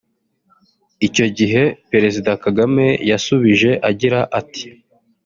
Icyo gihe Perezida Kagame yasubije agira ati